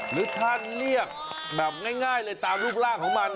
หรือถ้าเรียกแบบง่ายเลยตามรูปร่างของมัน